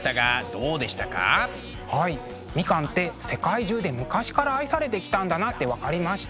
みかんって世界中で昔から愛されてきたんだなって分かりました。